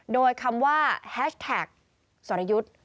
โดยคำว่าแฮชแท็กสรยุทธ์